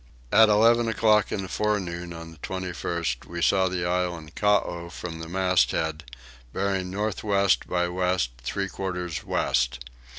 At eleven o'clock in the forenoon of the 21st we saw the island Caow from the masthead, bearing north west by west three quarters west.